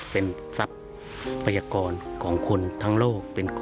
เป็นทรัพยากรของคนทั้งโลก